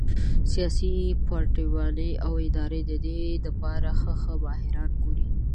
سياسي پارټيانې او ادارې د دې د پاره ښۀ ښۀ ماهران ګوري